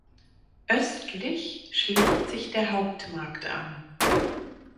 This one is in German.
Östlich schließt sich der Hauptmarkt an.